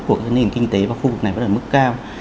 của các nền kinh tế và khu vực này vẫn ở mức cao